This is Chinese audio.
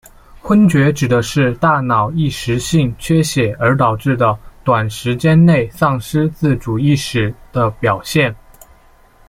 晕厥指的是大脑一时性缺血而导致短时间内丧失自主行动意识的表现。